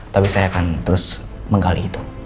tapi saya akan terus menggali itu